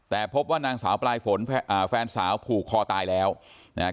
แต่พบว่านางสาวปลายฝนอ่าแฟนสาวผูกคอตายแล้วนะครับ